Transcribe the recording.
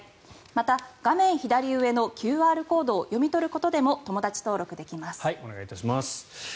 また、画面左上のＱＲコードを読み取ることでもお願いいたします。